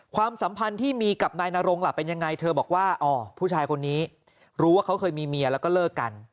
ความสัมพันธ์ที่มีกับนายนรงล่ะเป็นยังไงเธอบอกว่าอ๋อผู้ชายคนนี้รู้ว่าเขาเคยมีเมียแล้วก็เลิกกัน